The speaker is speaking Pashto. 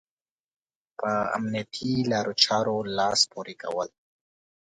په امنيتي لارو چارو لاس پورې کول.